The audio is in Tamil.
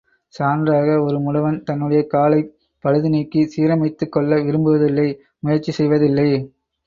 சான்றாக ஒரு முடவன் தன்னுடைய காலைப் பழுது நீக்கிச் சீரமைத்துக் கொள்ள விரும்புவதில்லை முயற்சி செய்வதில்லை.